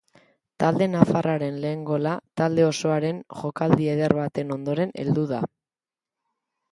Talde nafarraren lehen gola talde osoaren jokaldi eder baten ondoren heldu da.